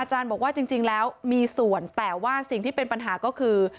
บอกว่าจริงแล้วมีส่วนแต่ว่าสิ่งที่เป็นปัญหาก็คือ